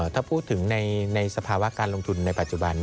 ถ้าพูดถึงในสภาวะการลงทุนในปัจจุบัน